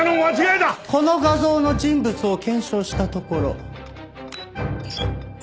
この画像の人物を検証したところ。